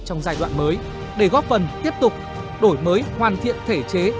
trong giai đoạn mới để góp phần tiếp tục đổi mới hoàn thiện thể chế